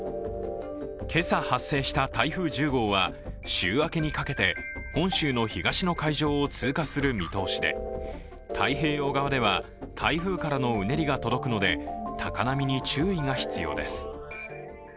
今朝発生した台風１０号は週明けにかけて本州の東の海上を通過する見通しで太平洋側では、台風からのうねりが届くので高波に注意が必要です。